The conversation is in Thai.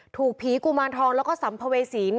ถูกผีกุมารทองแล้วก็สัมภเวษี